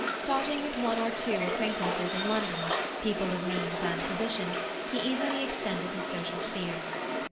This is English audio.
Starting with one or two acquaintances in London, people of means and position, he easily extended his social sphere.